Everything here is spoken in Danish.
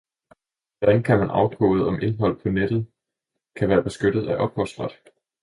hvordan kan man afkode om indhold på nettet kan være beskyttet af ophavsret